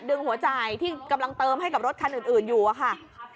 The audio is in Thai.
หัวจ่ายที่กำลังเติมให้กับรถคันอื่นอยู่อะค่ะ